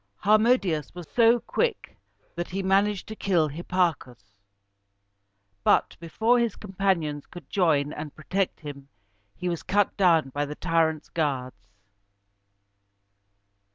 Harmodius was so quick that he managed to kill Hipparchus; but, before his companions could join and protect him, he was cut down by the tyrants' guards.